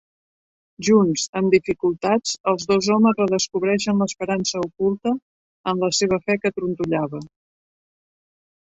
Junts, amb dificultats, els dos homes redescobreixen l'esperança oculta en la seva fe que trontollava.